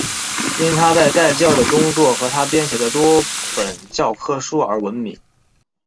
因他在代数的工作和他编写的多本教科书而闻名。